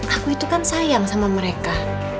aku itu kan sayang sama mereka